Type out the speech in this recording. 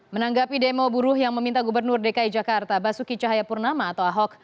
menanggapi demo buruh yang meminta gubernur dki jakarta basuki cahayapurnama atau ahok